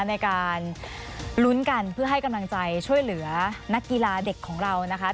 ในการลุ้นกันเพื่อให้กำลังใจช่วยเหลือนักกีฬาเด็กของเรานะคะ